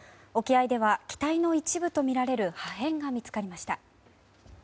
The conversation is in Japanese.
沖合では機体の一部とみられる破片が見つかりました。